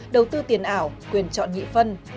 đầu tư tiền ảo quyền chọn nhị phân